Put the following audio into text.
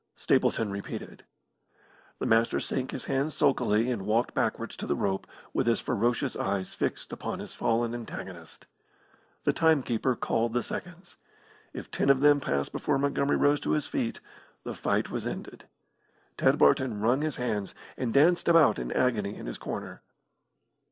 Stapleton repeated. The Master sank his hands sulkily and walked backwards to the rope with his ferocious eyes fixed upon his fallen antagonist. The timekeeper called the seconds. If ten of them passed before Montgomery rose to his feet, the fight was ended. Ted Barton wrung his hands and danced about in an agony in his corner.